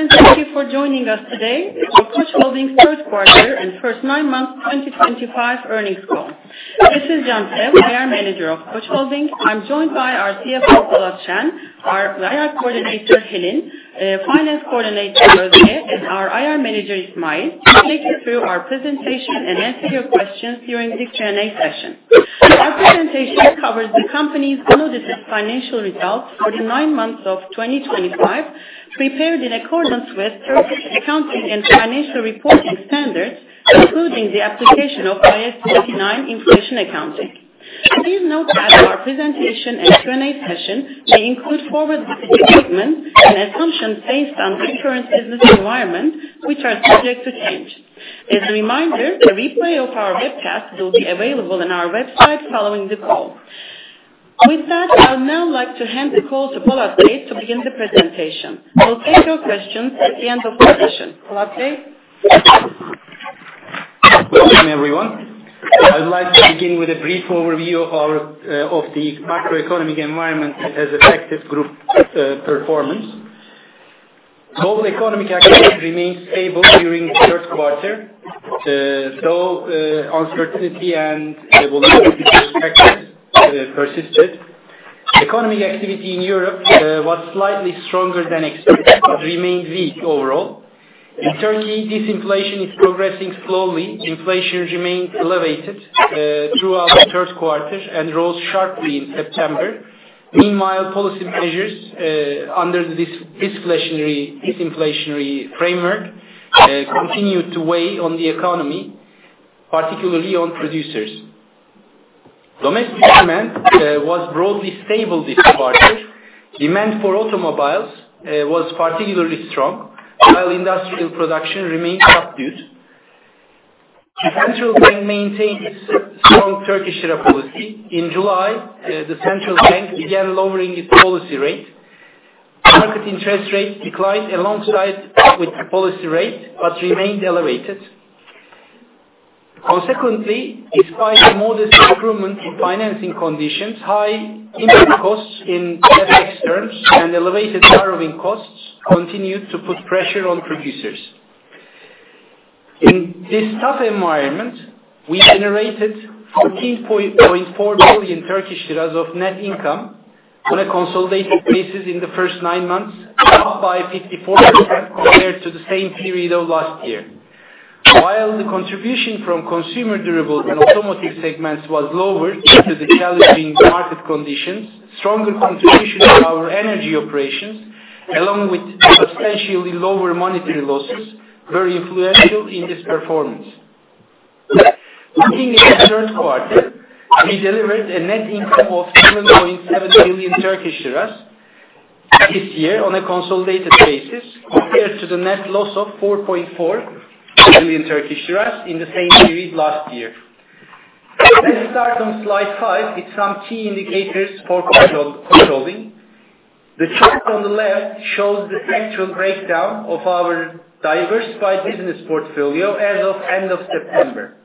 Welcome and thank you for joining us today for Koç Holding's Q3 and first nine months 2025 earnings call. This is Nursel, IR Coordinator of Koç Holding. I'm joined by our CFO, Polat Şen, our IR Coordinator, Helin, Finance Coordinator, Özge, and our IR Manager, İsmail. We'll take you through our presentation and answer your questions during this Q&A session. Our presentation covers the company's unconsolidated financial results for the nine months of 2025, prepared in accordance with Turkish accounting and financial reporting standards, including the application of IAS 29 Inflation Accounting. Please note that our presentation and Q&A session may include forward-looking statements and assumptions based on the current business environment, which are subject to change. As a reminder, a replay of our webcast will be available on our website following the call. With that, I would now like to hand the call to Polat Şen to begin the presentation. We'll take your questions at the end of the session. Polat Şen? Good afternoon, everyone. I would like to begin with a brief overview of the macroeconomic environment and its effect on group performance. Global economic activity remained stable during the Q3, though uncertainty and volatility persisted. Economic activity in Europe was slightly stronger than expected, but remained weak overall. In Turkey, disinflation is progressing slowly. Inflation remained elevated throughout the Q3 and rose sharply in September. Meanwhile, policy measures under the disinflationary framework continued to weigh on the economy, particularly on producers. Domestic demand was broadly stable this quarter. Demand for automobiles was particularly strong, while industrial production remained subdued. The central bank maintained its strong Turkish lira policy. In July, the central bank began lowering its policy rate. Market interest rates declined alongside the policy rate, but remained elevated. Consequently, despite modest improvements in financing conditions, high input costs in FX terms, and elevated borrowing costs continued to put pressure on producers. In this tough environment, we generated 14.4 billion Turkish lira of net income on a consolidated basis in the first nine months, up by 54% compared to the same period of last year. While the contribution from consumer durable and automotive segments was lower due to the challenging market conditions, stronger contribution to our energy operations, along with substantially lower monetary losses, were influential in this performance. Looking at the Q3, we delivered a net income of 7.7 billion this year on a consolidated basis, compared to the net loss of 4.4 billion in the same period last year. Let's start on slide five with some key indicators for Koç Holding. The chart on the left shows the sectoral breakdown of our diversified business portfolio as of end of September.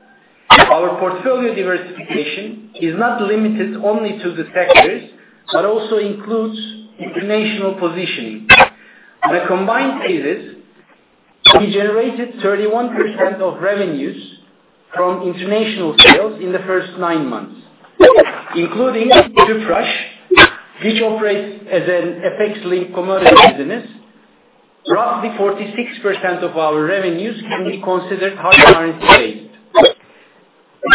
Our portfolio diversification is not limited only to the sectors, but also includes international positioning. On a combined basis, we generated 31% of revenues from international sales in the first nine months, including Tüpraş, which operates as an FX-linked commodity business. Roughly 46% of our revenues can be considered high currency-based.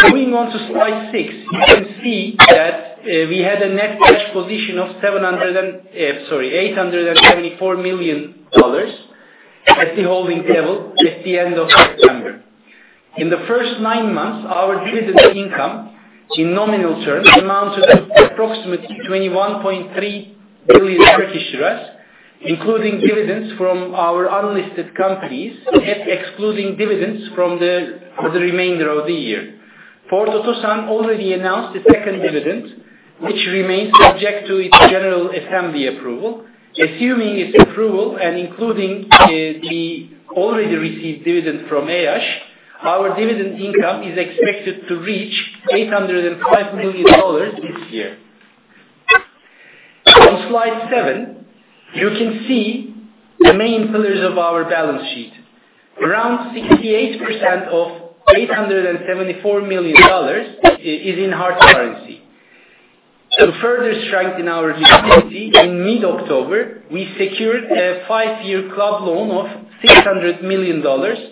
Moving on to slide six, you can see that we had a net cash position of $874 million at the holding level at the end of September. In the first nine months, our dividend income, in nominal terms, amounted to approximately 21.3 billion Turkish liras, including dividends from our unlisted companies, excluding dividends for the remainder of the year. Port Otosan already announced the second dividend, which remains subject to its General Assembly approval. Assuming its approval and including the already received dividend from Eyas our dividend income is expected to reach $805 million this year. On slide seven, you can see the main pillars of our balance sheet. Around 68% of $874 million is in hard currency. To further strengthen our liquidity, in mid-October, we secured a five-year club loan of $600 million at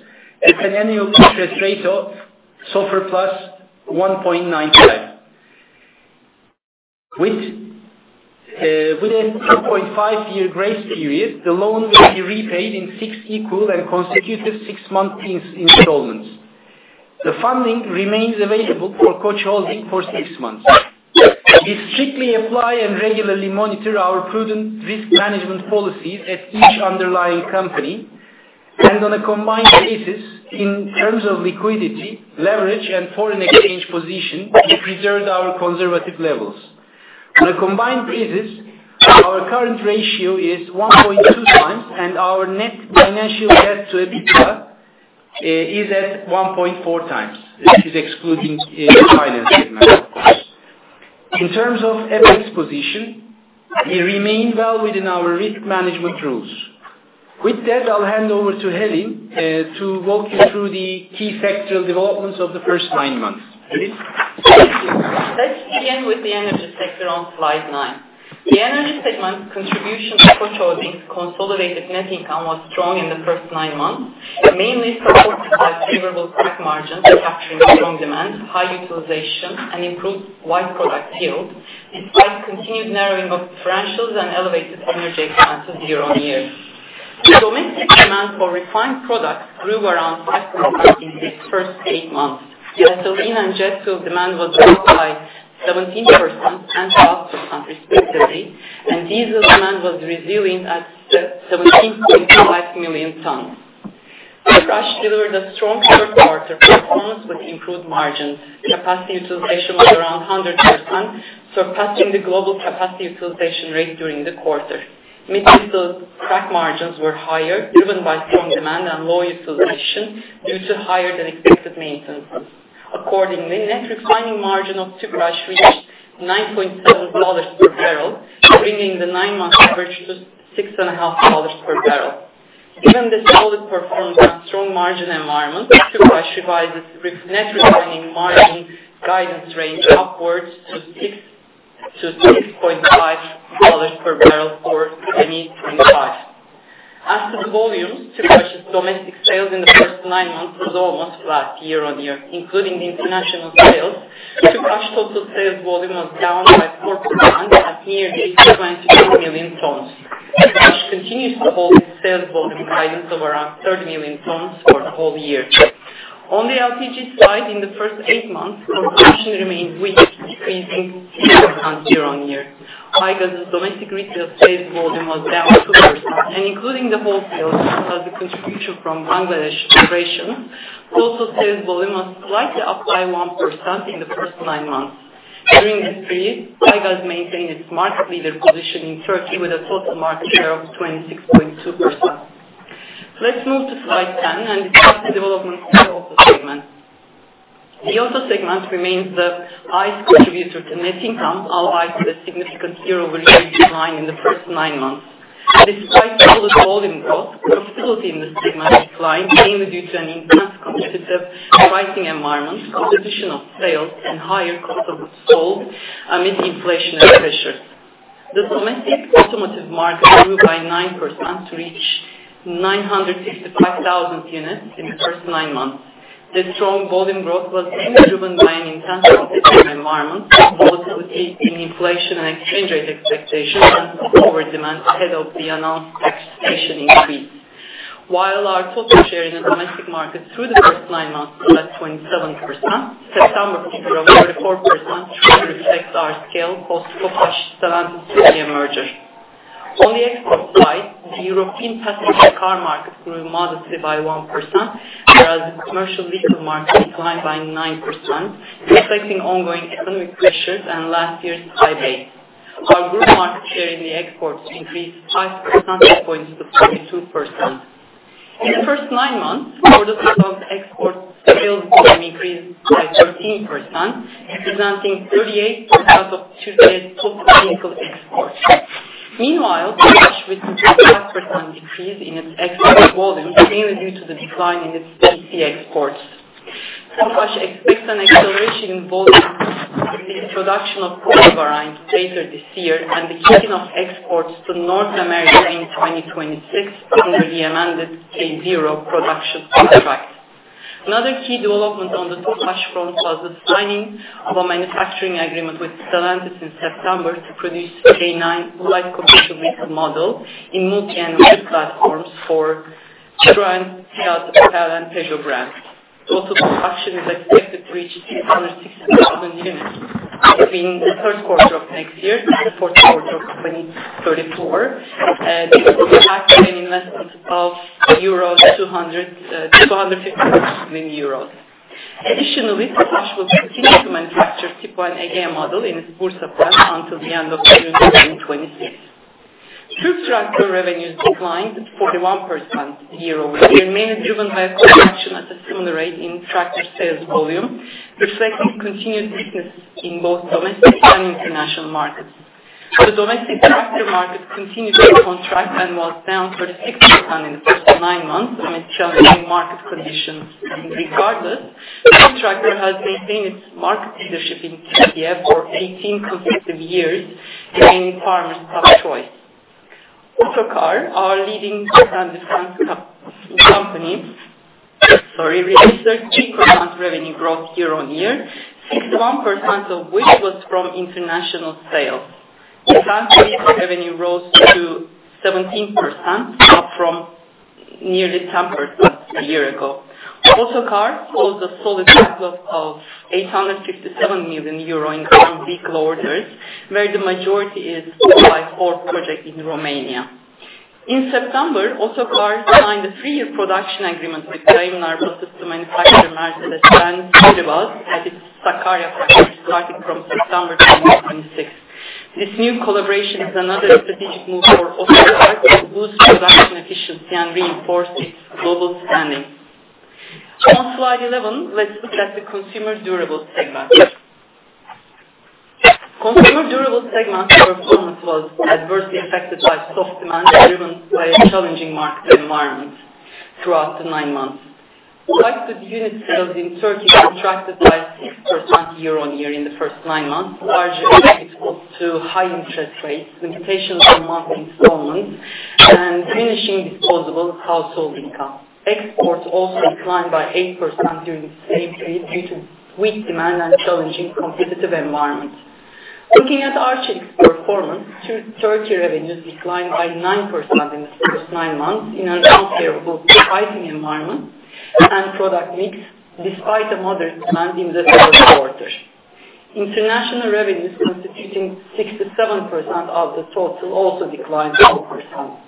an annual interest rate of 0.95%. With a 2.5-year grace period, the loan will be repaid in six equal and consecutive six-month installments. The funding remains available for Koç Holding for six months. We strictly apply and regularly monitor our prudent risk management policies at each underlying company, and on a combined basis, in terms of liquidity, leverage, and foreign exchange position, we preserved our conservative levels. On a combined basis, our current ratio is 1.2 times, and our net financial debt to EBITDA is at 1.4 times, excluding the finance segment, of course. In terms of FX position, we remain well within our risk management rules. With that, I'll hand over to Helin to walk you through the key sectoral developments of the first nine months. Helin, let's begin with the energy sector on slide nine. The energy segment contribution to Koç Holding's consolidated net income was strong in the first nine months, mainly supported by favorable Crackmargins capturing strong demand, high utilization, and improved white product yield, despite continued narrowing of differentials and elevated energy expenses year on year. Domestic demand for refined products grew around 5% in the first eight months, as the gasoline and jet fuel demand was boosted by 17% and 12%, respectively, and diesel demand was resilient at 17.5 million tons. Tüpraş delivered a strong Q3 performance with improved margins. Capacity utilization was around 100%, surpassing the global capacity utilization rate during the quarter. Middle distillate Crack margins were higher, driven by strong demand and low utilization due to higher-than-expected maintenance. Accordingly, net refining margin of Tüpraş reached $9.7 per barrel, bringing the nine-month average to $6.5 per barrel. Given this solid performance and strong margin environment, Tüpraş revised its net refining margin guidance range upward to $6.5 per barrel for 2025. As to the volumes, Tüpraş's domestic sales in the first nine months were almost flat year on year. Including the international sales, Tüpraş's total sales volume was down by 4% at nearly 22 million tons. Tüpraş continues to hold its sales volume guidance of around 30 million tons for the whole year. On the LPG side, in the first eight months, consumption remained weak, decreasing 6% year on year. Aygaz domestic retail sales volume was down 2%, and including the wholesale as a contribution from Bangladesh operations, total sales volume was slightly up by 1% in the first nine months. During this period, Aygaz maintained its market leader position in Turkey with a total market share of 26.2%. Let's move to slide ten and discuss the developments in the auto segment. The auto segment remains the highest contributor to net income, albeit with a significant year-over-year decline in the first nine months. Despite solid volume growth, profitability in the segment declined, mainly due to an intense competitive pricing environment, competition of sales, and higher cost of goods sold amid inflationary pressures. The domestic automotive market grew by 9% to reach 965,000 units in the first nine months. The strong volume growth was driven by an intense competitive environment, volatility in inflation and exchange rate expectations, and over-demand ahead of the announced taxation increase. While our total share in the domestic market through the first nine months was at 27%, September figure of 34% truly reflects our scale post-Stellantis and Türkiye merger. On the export side, the European passenger car market grew modestly by 1%, whereas the commercial vehicle market declined by 9%, reflecting ongoing economic pressures and last year's high base. Our group market share in the exports increased 5 percentage points to 42%. In the first nine months, Ford Otosan's export sales volume increased by 13%, representing 38% of Türkiye's total vehicle exports. Meanwhile, Tüpraş witnessed a 5% decrease in its export volume, mainly due to the decline in its HC exports. Tüpraş expects an acceleration in volume with the introduction of polypropylene later this year and the kicking off exports to North America in 2026 under the amended K0 production contract. Another key development on the Tüpraş front was the signing of a manufacturing agreement with Stellantis in September to produce a K9 Light Commercial Vehicle model in multi-annual platforms for Citroën, Fiat, Opel, and Peugeot brands. Total production is expected to reach 660,000 units between the Q3 of next year and the fourth quarter of 2034, with a planned investment of €250 million. Additionally, Tofaş will continue to manufacture the Tipo/Egea model in its Bursa plant until the end of June 2026. Turkish tractor revenues declined 41% year over year, mainly driven by a contraction at a similar rate in tractor sales volume, reflecting continued weakness in both domestic and international markets. The domestic tractor market continued to contract and was down 36% in the first nine months amid challenging market conditions. Regardless, Turkish tractor has maintained its market leadership in Türkiye for 18 consecutive years, remaining farmers' top choice. AutoCar, our leading defense company, registered peak amount revenue growth year on year, 61% of which was from international sales. Defense vehicle revenue rose to 17%, up from nearly 10% a year ago. Otokar holds a solid backlog of 857 million euro in current vehicle orders, where the majority is for the Ford project in Romania. In September, Otokar signed a three-year production agreement with Mercedes-Benz to manufacture Mercedes-Benz Sprinter at its Sakarya factory, starting from September 2026. This new collaboration is another strategic move for Otokar to boost production efficiency and reinforce its global standing. On slide 11, let's look at the consumer durables segment. Consumer durables segment performance was adversely affected by soft demand driven by a challenging market environment throughout the nine months. White goods unit sales in Türkiye contracted by 6% year on year in the first nine months, largely due to high interest rates, limitations on monthly installments, and diminishing disposable household income. Exports also declined by 8% during the same period due to weak demand and challenging competitive environment. Looking at Arcelik performance, Turkish revenues declined by 9% in the first nine months in an unfavorable pricing environment and product mix, despite a moderate demand in the Q3. International revenues, constituting 67% of the total, also declined 4%.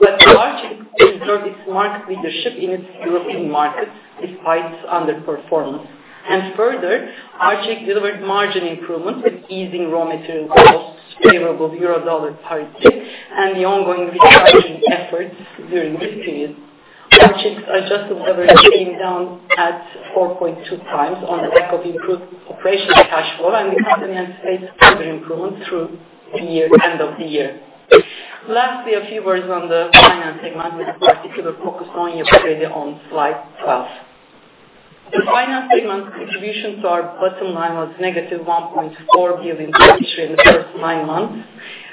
Arcelik preserved its market leadership in its European markets despite underperformance. And further, Arcelik delivered margin improvements with easing raw material costs, favorable euro/dollar parity, and the ongoing recycling efforts during this period. Arcelik adjusted leverage came down at 4.2 times on the back of improved operational cash flow, and the company anticipates further improvements through the end of the year. Lastly, a few words on the finance segment, with a particular focus on year-over-year on slide twelve. The finance segment contribution to our bottom line was negative 1.4 billion in the first nine months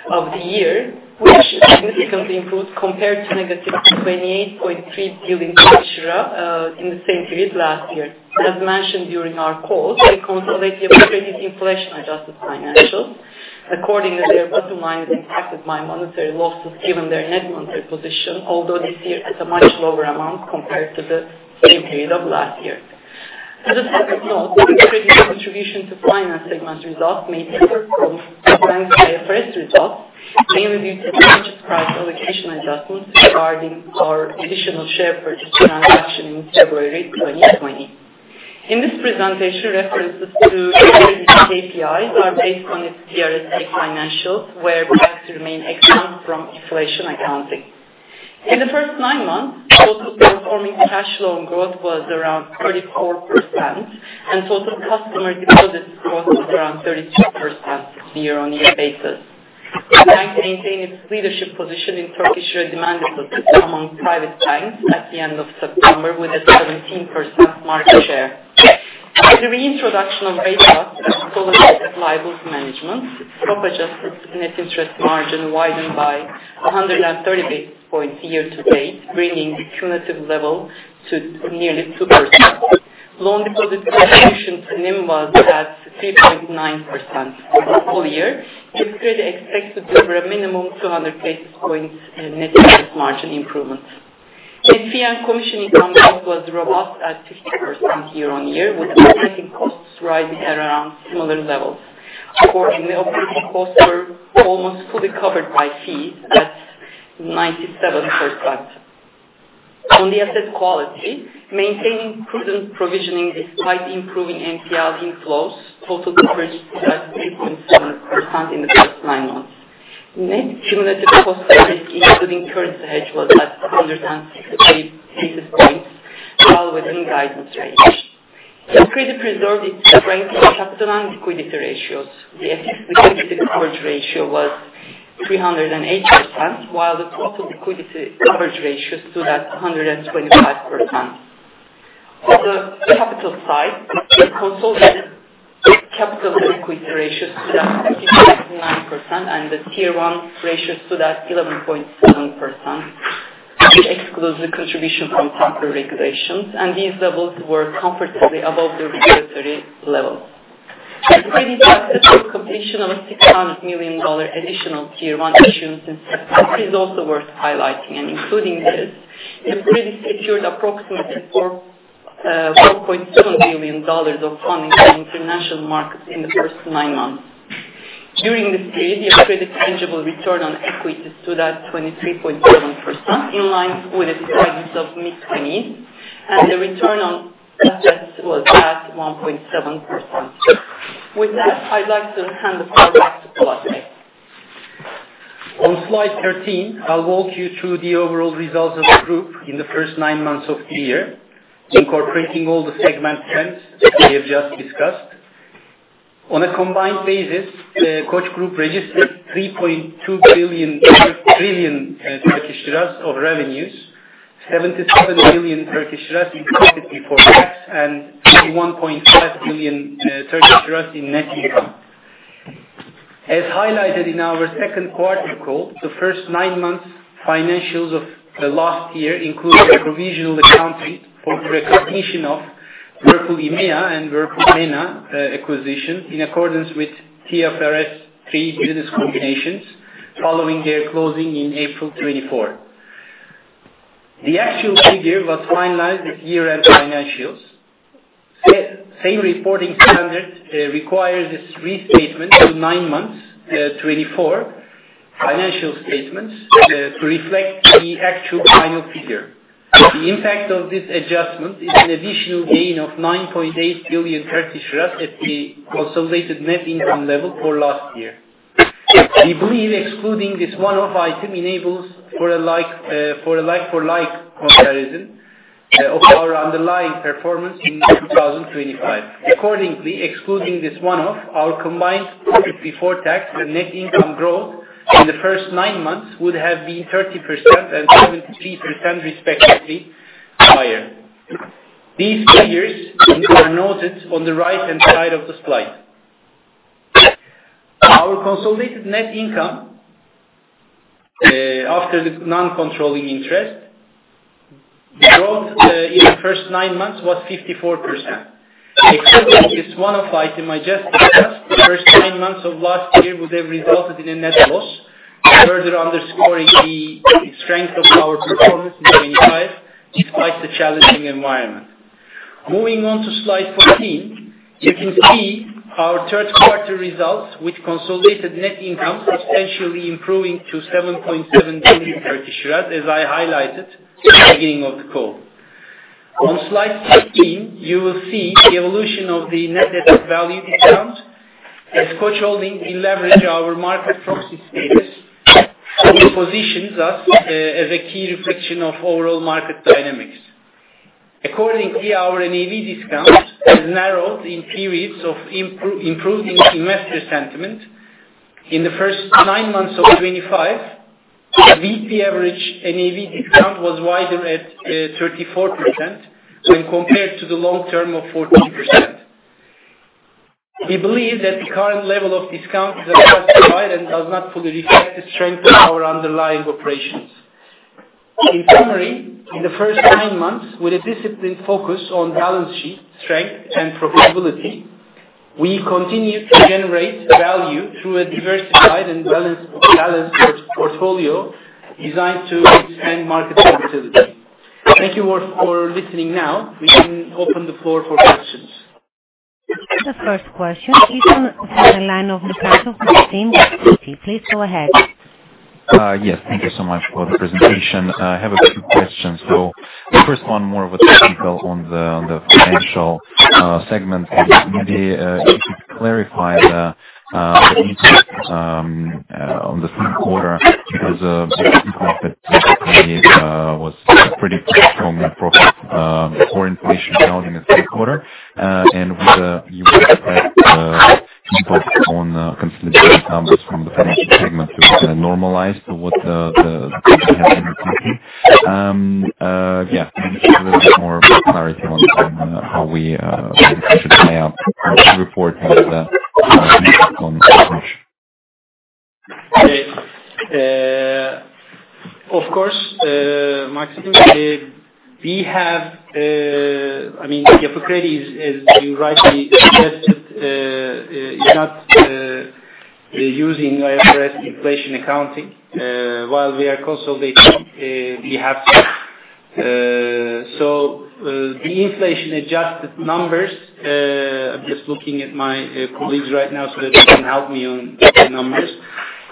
of the year, which significantly improved compared to negative 28.3 billion in the same period last year. As mentioned during our call, we consolidate year-over-year with inflation-adjusted financials. Accordingly, their bottom line is impacted by monetary losses given their net monetary position, although this year it's a much lower amount compared to the same period of last year. As a second note, Yapi Kredi contribution to finance segment results may differ from bank's IFRS results, mainly due to purchase price allocation adjustments regarding our additional share purchase transaction in February 2020. In this presentation, references to credit KPIs are based on its BRSA financials, where banks remain excellent from inflation accounting. In the first nine months, total performing cash loan growth was around 34%, and total customer deposits growth was around 32% year on year basis. The bank maintained its leadership position in Turkish lira demand deposits among private banks at the end of September with a 17% market share. With the reintroduction of rate cuts and consolidated liability management, its swap-adjusted net interest margin widened by 130 basis points year to date, bringing the cumulative level to nearly 2%. Loan deposit contribution to NIM was at 3.9% for the full year. This credit expected to deliver a minimum 200 basis points net interest margin improvement. Net fee and commission income growth was robust at 50% year on year, with operating costs rising at around similar levels. Accordingly, operating costs were almost fully covered by fees at 97%. On the asset quality, maintaining prudent provisioning despite improving MPL inflows, total coverage was at 3.7% in the first nine months. Net cumulative cost of risk, including current hedge, was at 163 basis points, well within guidance range. The credit preserved its strength in capital and liquidity ratios. The FX Liquidity Coverage Ratio was 308%, while the total Liquidity Coverage Ratio stood at 125%. On the capital side, the consolidated capital and equity ratios stood at 59%, and the Tier 1 ratios stood at 11.7%, which excludes the contribution from temporary regulations, and these levels were comfortably above the regulatory levels. The credit successfully completed a $600 million Additional Tier 1 issuance in September, which is also worth highlighting. Including this, the credit secured approximately $4.7 billion of funding from international markets in the first nine months. During this period, Yapı Kredi tangible return on equity stood at 23.7%, in line with its guidance of mid-20s, and the return on assets was at 1.7%. With that, I'd like to hand the floor back to Polat Sen. On slide thirteen, I'll walk you through the overall results of the group in the first nine months of the year, incorporating all the segment trends we have just discussed. On a combined basis, the Koç Group registered 3.2 billion of revenues, TRY 77 billion in profit before tax, and TRY 21.5 billion in net income. As highlighted in our Q2 call, the first nine months' financials of the last year included provisional accounting for the recognition of Whirlpool EMEA and Whirlpool EMEA acquisition in accordance with TFRS 3 business combinations following their closing in April 2024. The actual figure was finalized this year and financials. Same reporting standard requires its restatement to nine months 2024 financial statements to reflect the actual final figure. The impact of this adjustment is an additional gain of 9.8 billion at the consolidated net income level for last year. We believe excluding this one-off item enables for a like-for-like comparison of our underlying performance in 2025. Accordingly, excluding this one-off, our combined profit before tax and net income growth in the first nine months would have been 30% and 73% respectively higher. These figures are noted on the right-hand side of the slide. Our consolidated net income after the non-controlling interest growth in the first nine months was 54%. Excluding this one-off item I just discussed, the first nine months of last year would have resulted in a net loss, further underscoring the strength of our performance in 2025 despite the challenging environment. Moving on to slide fourteen, you can see our Q3 results with consolidated net income substantially improving to TRY 7.7 billion, as I highlighted at the beginning of the call. On slide fifteen, you will see the evolution of the net asset value discount as Koç Holding will leverage our market proxy status, which positions us as a key reflection of overall market dynamics. Accordingly, our NAV discount has narrowed in periods of improving investor sentiment. In the first nine months of 2025, the weekly average NAV discount was wider at 34% when compared to the long term of 14%. We believe that the current level of discount is at a higher side and does not fully reflect the strength of our underlying operations. In summary, in the first nine months, with a disciplined focus on balance sheet strength and profitability, we continue to generate value through a diversified and balanced portfolio designed to withstand market volatility. Thank you all for listening now. We can open the floor for questions. The first question, please from the line of Hanzade Kılıçkıran with J.P. Morgan. Please go ahead. Yes, thank you so much for the presentation. I have a few questions. So the first one, more of a technical one on the financial segment. Maybe if you could clarify the impact on the Q3 because the impact that you created was pretty strong in the profit from inflation accounting in the Q3. And with the impact on consolidated numbers from the financial segment to normalize to what the company has been receiving. Yeah, maybe just a little bit more clarity on how we should lay out the report and the impact on the financial. Okay. Of course, Maksym we have I mean, Yapı Kredi, as you rightly suggested, is not using IFRS inflation accounting. While we are consolidating, we have to. So the inflation-adjusted numbers, I'm just looking at my colleagues right now so that they can help me on the numbers,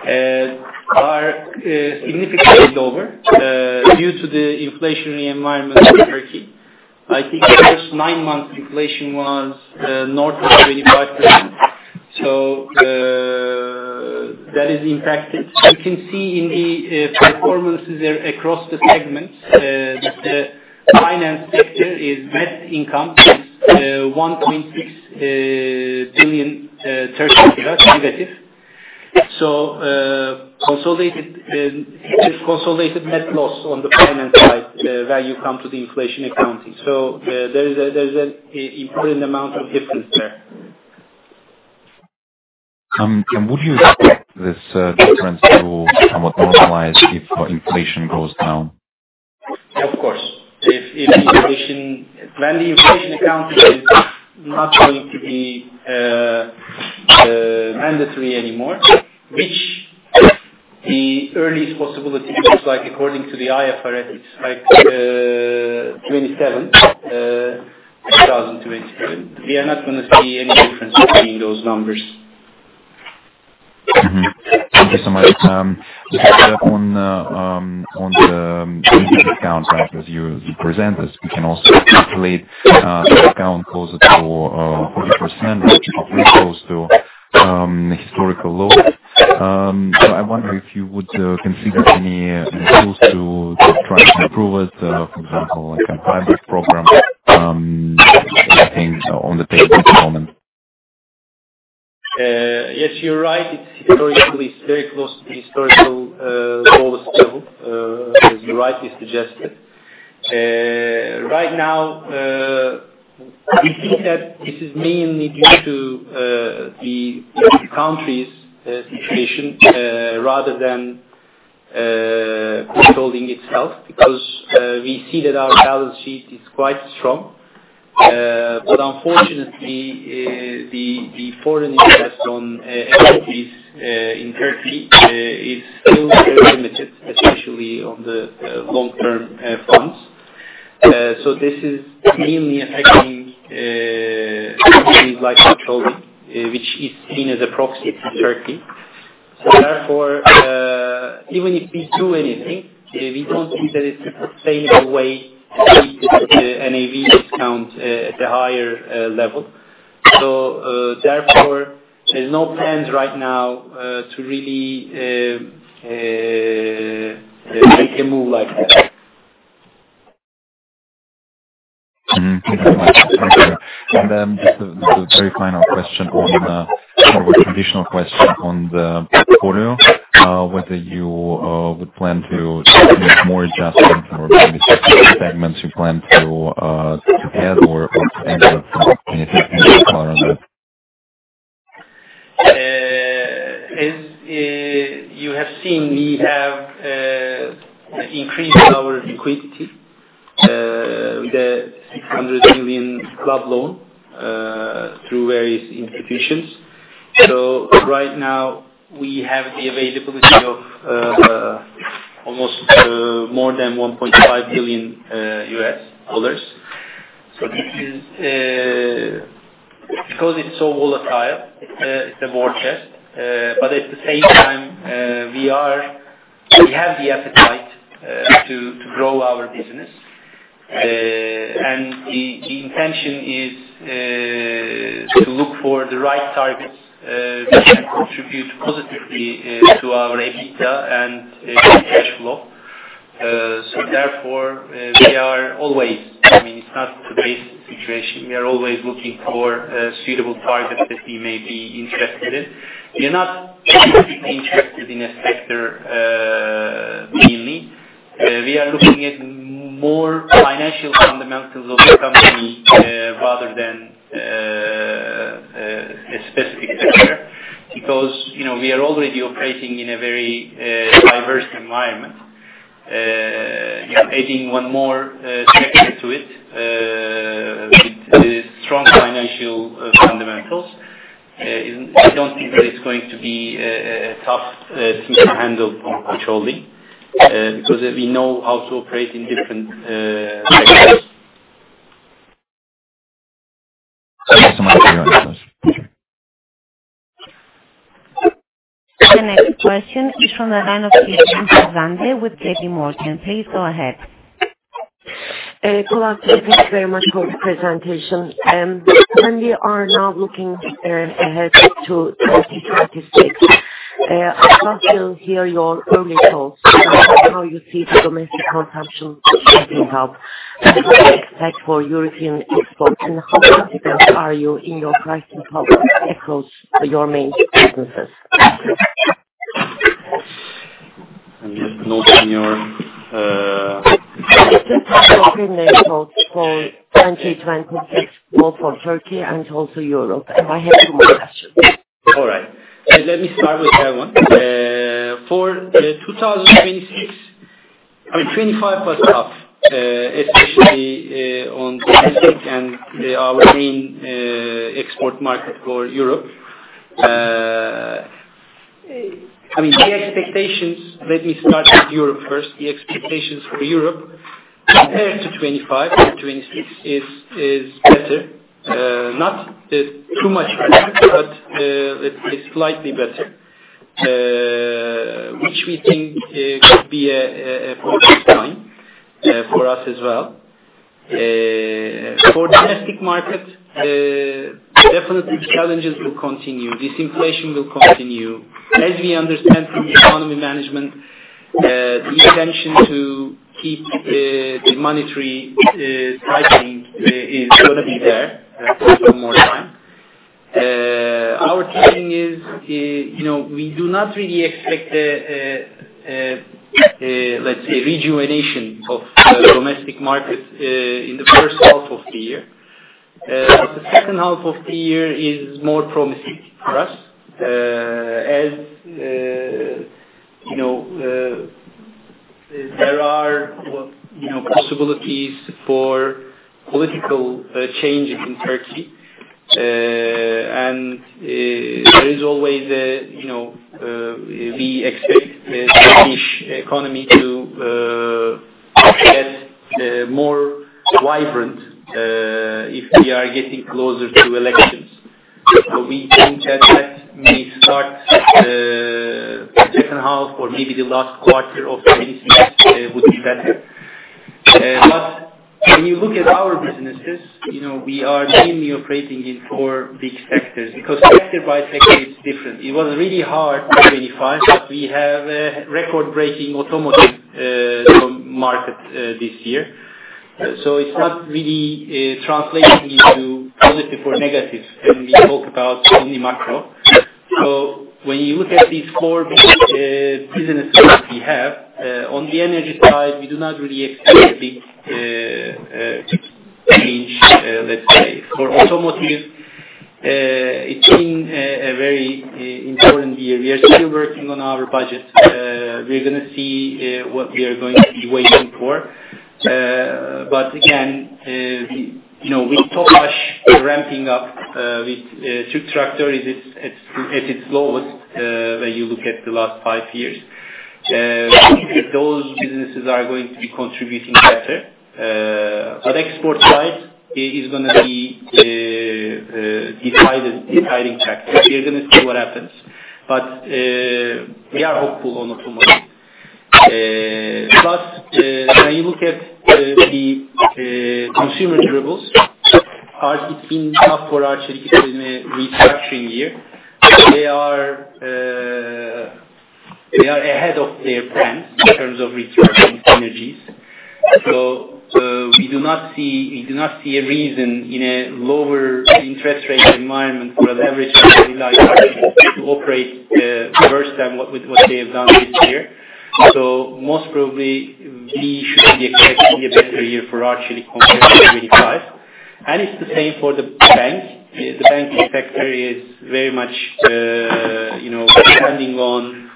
are significantly lower due to the inflationary environment in Turkey. I think the first nine months' inflation was north of 25%. So that is impacted. You can see in the performances across the segments that the finance sector is net income is -1.6 billion. So consolidated net loss on the finance side value come to the inflation accounting. So there's an important amount of difference there. And would you expect this difference to somewhat normalize if inflation goes down? Of course. When the inflation accounting is not going to be mandatory anymore, which the earliest possibility looks like according to the IFRS, it's like '27, 2027. We are not going to see any difference between those numbers. Thank you so much. Just on the retail discount, as you presented, we can also calculate the discount closer to 40%, which is probably close to the historical lows. So I wonder if you would consider any tools to try to improve it, for example, like a pilot program, anything on the table at the moment? Yes, you're right. It's historically very close to the historical low still, as you rightly suggested. Right now, we think that this is mainly due to the country's situation rather than Koç Holding itself because we see that our balance sheet is quite strong. But unfortunately, the foreign investment on equities in Turkey is still very limited, especially on the long-term funds. So this is mainly affecting companies like Koç Holding, which is seen as a proxy to Turkey. So therefore, even if we do anything, we don't see that it's a sustainable way to keep the NAV discount at a higher level. So therefore, there's no plans right now to really make a move like that. Thank you. And just a very final question on the conditional question on the portfolio, whether you would plan to make more adjustments or maybe certain segments you plan to add or to anchor some opportunities in the current one? As you have seen, we have increased our liquidity with the $600 million club loan through various institutions. So right now, we have the availability of almost more than $1.5 billion. So because it's so volatile, it's a war chest. But at the same time, we have the appetite to grow our business. And the intention is to look for the right targets that contribute positively to our EBITDA and cash flow. So therefore, we are always. I mean, it's not the best situation. We are always looking for suitable targets that we may be interested in. We are not specifically interested in a sector mainly. We are looking at more financial fundamentals of the company rather than a specific sector because we are already operating in a very diverse environment. Adding one more sector to it with strong financial fundamentals, I don't think that it's going to be a tough thing to handle for Koç Holding because we know how to operate in different sectors. Thank you so much for your answers. The next question is from the line of Hanzade Kılıçkıran with J.P. Morgan. Please go ahead. Koç Holding, thank you very much for the presentation. And we are now looking ahead to 2026. I'd love to hear your early thoughts on how you see the domestic consumption shifting up, what do you expect for European exports, and how confident are you in your pricing policy across your main businesses? Just a quick name, Koç, for 2026, both for Turkey and also Europe. And I have two more questions. All right. Let me start with that one. For 2026, I mean, 2025 was tough, especially on domestic and our main export market for Europe. I mean, the expectations let me start with Europe first. The expectations for Europe compared to 2025 and 2026 is better. Not too much better, but slightly better, which we think could be a positive sign for us as well. For domestic markets, definitely challenges will continue. Disinflation will continue. As we understand from the economy management, the intention to keep the monetary tightening is going to be there for some more time. Our thinking is we do not really expect the, let's say, rejuvenation of domestic markets in the first half of the year. The second half of the year is more promising for us as there are possibilities for political changes in Turkey. And there is always. We expect the Turkish economy to get more vibrant if we are getting closer to elections. So we think that that may start the second half or maybe the last quarter of 2026 would be better. But when you look at our businesses, we are mainly operating in four big sectors because sector by sector it's different. It was really hard in 2025, but we have a record-breaking automotive market this year. So it's not really translating into positive or negative when we talk about only macro. So when you look at these four big businesses that we have, on the energy side, we do not really expect a big change, let's say. For automotive, it's been a very important year. We are still working on our budget. We're going to see what we are going to be waiting for. But again, with Tüpraş ramping up with Türk Traktör at its lowest when you look at the last five years, those businesses are going to be contributing better. But export side is going to be the deciding factor. We're going to see what happens. But we are hopeful on automotive. Plus, when you look at the consumer durables, it's been tough for our Turkey to do a restructuring year. They are ahead of their friends in terms of restructuring energies. So we do not see a reason in a lower interest rate environment for an average family like ours to operate worse than what they have done this year. So most probably, we should be expecting a better year for our Turkey compared to 2025. And it's the same for the bank. The banking sector is very much depending on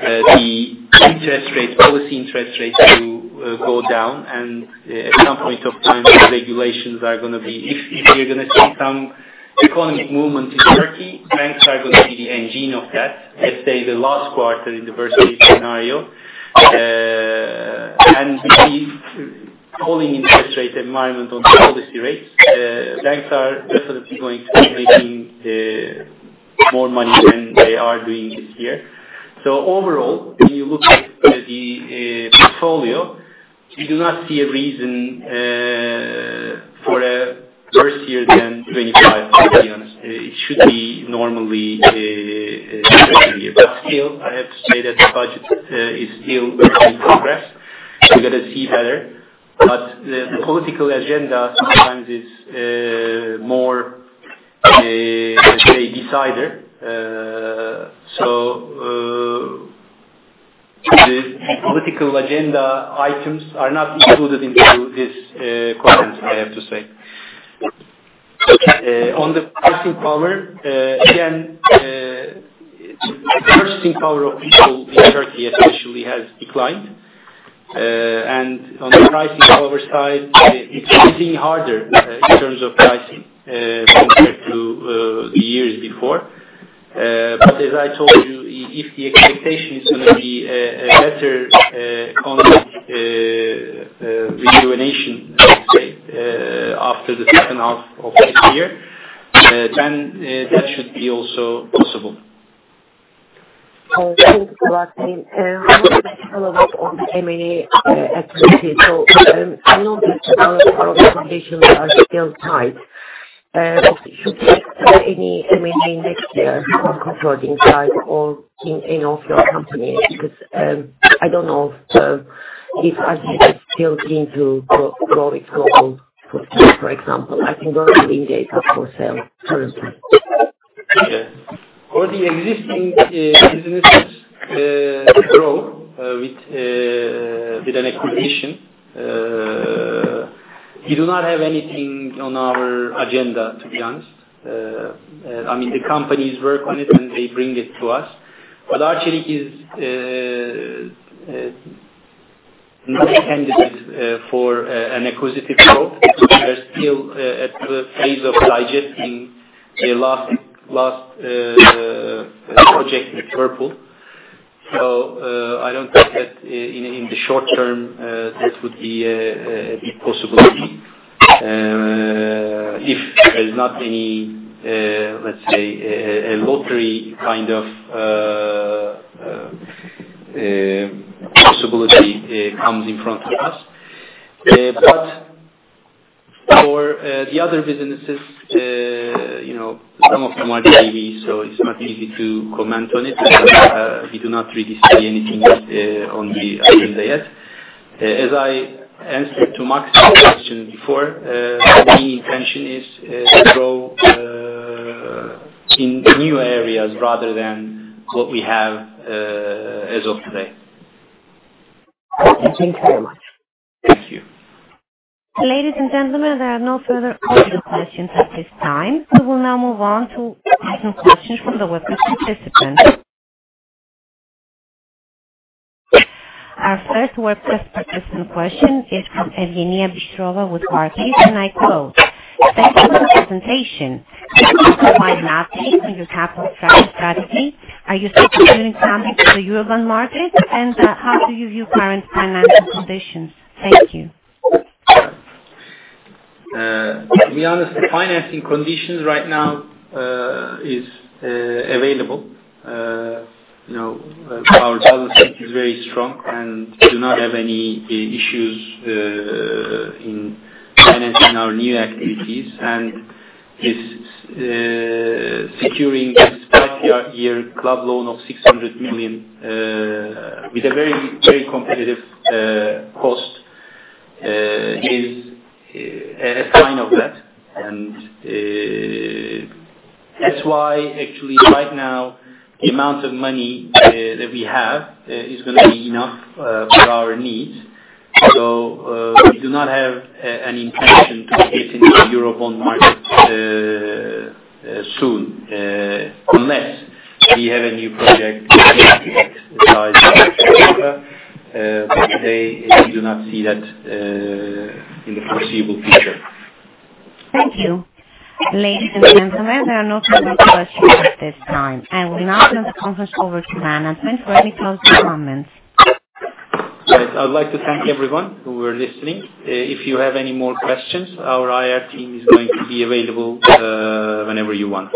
the interest rate, policy interest rates to go down. And at some point of time, the regulations are going to be if we're going to see some economic movement in Turkey. Banks are going to be the engine of that, let's say, the last quarter in the worst-case scenario. And with the falling interest rate environment on the policy rates, banks are definitely going to be making more money than they are doing this year. So overall, when you look at the portfolio, we do not see a reason for a worse year than 2025, to be honest. It should be normally a better year. But still, I have to say that the budget is still in progress. We're going to see better. But the political agenda sometimes is more, let's say, decider. So the political agenda items are not included into this quadrant, I have to say. On the pricing power, again, the purchasing power of people in Turkey especially has declined, and on the pricing power side, it's getting harder in terms of pricing compared to the years before, but as I told you, if the expectation is going to be a better economic rejuvenation, let's say, after the second half of next year, then that should be also possible. Thank you, Maxime. I want to make a follow-up on the M&A activity. So I noticed that a lot of our finances are still tight. Should there be any M&A next year on Koç Holding side or in any of your companies? Because I don't know if Arçelik is still keen to grow its global footprint, for example. I think we're doing the export for sale currently. Okay. For the existing businesses to grow with an acquisition, we do not have anything on our agenda, to be honest. I mean, the companies work on it, and they bring it to us. But Arçelik is not a candidate for an acquisitive growth. We are still at the phase of digesting the last project with Whirlpool. So I don't think that in the short term, that would be a possibility if there's not any, let's say, a lottery kind of possibility comes in front of us. But for the other businesses, some of them are JV, so it's not easy to comment on it. We do not really see anything on the agenda yet. As I answered to Max's question before, the main intention is to grow in new areas rather than what we have as of today. Thank you very much. Thank you. Ladies and gentlemen, there are no further audience questions at this time. We will now move on to participant questions from the webcast participants. Our first webcast participant question is from Evgenia Byshovets with Arcus, and I quote, "Thank you for the presentation. What is the why now take on your capital structure strategy? Are you still considering coming to the Eurobond market? And how do you view current financial conditions?" Thank you. To be honest, the financing conditions right now are available. Our balance sheet is very strong and do not have any issues in financing our new activities. And securing this five-year club loan of 600 million with a very, very competitive cost is a sign of that. And that's why, actually, right now, the amount of money that we have is going to be enough for our needs. So we do not have an intention to get into the Eurobond market soon unless we have a new project to exercise structure. But today, we do not see that in the foreseeable future. Thank you. Ladies and gentlemen, there are no further questions at this time. I will now turn the conference over to Hanzade. Thanks for any closing comments. Right. I would like to thank everyone who were listening. If you have any more questions, our IR team is going to be available whenever you want.